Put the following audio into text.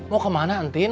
mau kemana entin